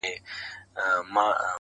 غوجله تياره فضا لري ډېره,